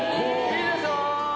いいでしょ？